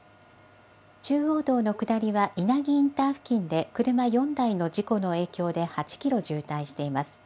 中央道の下りは、稲城インター付近で車４台の事故の影響で８キロ渋滞しています。